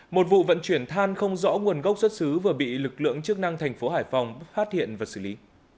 một vụ vận chuyển than không rõ nguồn gốc xuất xứ vừa bị lực lượng chức năng thành phố hải phòng phát hiện và xử lý